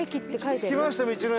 着きました道の駅！